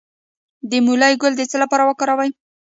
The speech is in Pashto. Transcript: د مولی ګل د څه لپاره وکاروم؟